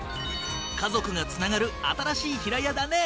家族が繋がる新しい平屋だね！